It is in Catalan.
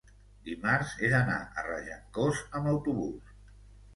dimarts he d'anar a Regencós amb autobús.